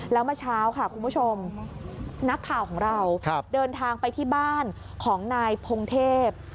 แล้วเมื่อเช้าค่ะคุณผู้ชมนักข่าวของเราเดินทางไปที่บ้านของนายพงเทพ